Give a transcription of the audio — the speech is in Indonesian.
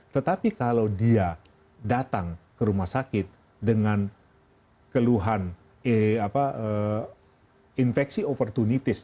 tetapi kalau dia datang ke rumah sakit dengan keluhan infeksi opportunity